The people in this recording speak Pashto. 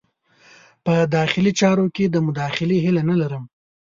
په داخلي چارو کې د مداخلې هیله نه لرم.